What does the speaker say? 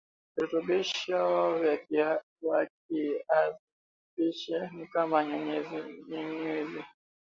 virutubisho vya kiazi lishe ni kama nyuzinyuzi